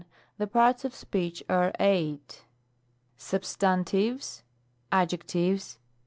The parts of speech are eight : I. Substantives. n. Adjectives.